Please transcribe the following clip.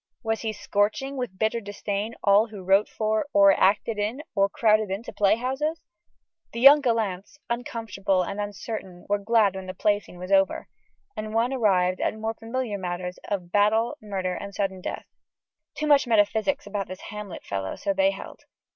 Was he scorching, with bitter disdain, all who wrote for, or acted in, or crowded into playhouses?... The young gallants, uncomfortable and uncertain, were glad when the Play scene was over, and one arrived at more familiar matters of battle, murder, and sudden death. Too much metaphysics about this Hamlet fellow, so they held.